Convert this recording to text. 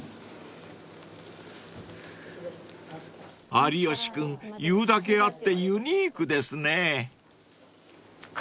［有吉君言うだけあってユニークですね］